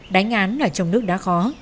đánh án ở trong nước đã khó